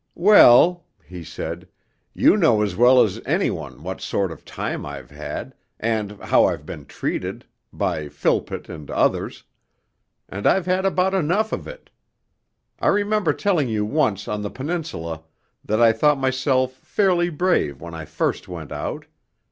'Well,' he said, 'you know as well as any one what sort of time I've had, and how I've been treated by Philpott and others. And I've had about enough of it. I remember telling you once on the Peninsula that I thought myself fairly brave when I first went out